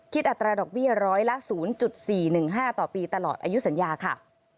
อัตราดอกเบี้ยร้อยละ๐๔๑๕ต่อปีตลอดอายุสัญญาค่ะ